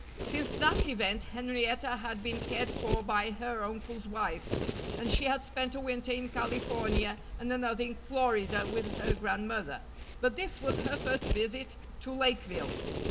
Since that event Henrietta had been cared for by her uncle's wife; and she had spent a winter in California and another in Florida with her grandmother, but this was her first visit to Lakeville.